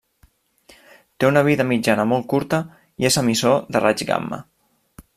Té una vida mitjana molt curta i és emissor de raig gamma.